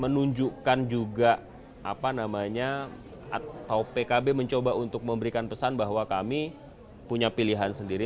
menunjukkan juga apa namanya atau pkb mencoba untuk memberikan pesan bahwa kami punya pilihan sendiri